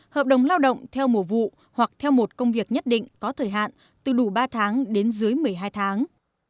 hợp đồng lao động theo mùa vụ hoặc theo một công việc nhất định có thời hạn từ đủ ba tháng đến dưới một mươi hai tháng